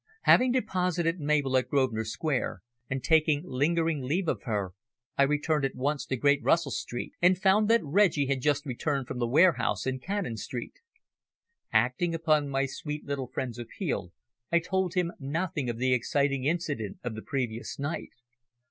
Having deposited Mabel at Grosvenor Square, and taken lingering leave of her, I returned at once to Great Russell Street and found that Reggie had just returned from the warehouse in Cannon Street. Acting upon my sweet little friend's appeal I told him nothing of the exciting incident of the previous night.